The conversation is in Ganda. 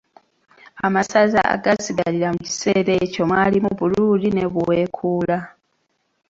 Amasaza agaasigalira mu kiseera ekyo mwalimu Buruli ne Buweekula.